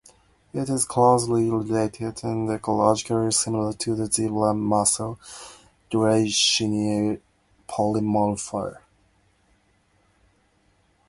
It is closely related and ecologically similar to the zebra mussel, "Dreissena polymorpha".